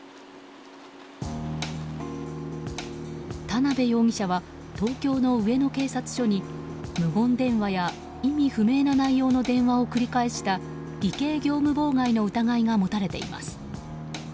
田辺容疑者は東京の上野警察署に無言電話や、意味不明な内容の電話を繰り返した偽計業務妨害の疑いが持たれています。